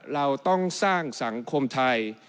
เราต้องสร้างสังคมไทย